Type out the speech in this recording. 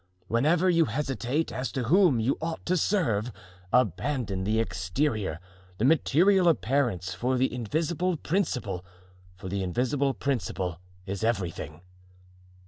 Whenever you hesitate as to whom you ought to serve, abandon the exterior, the material appearance for the invisible principle, for the invisible principle is everything.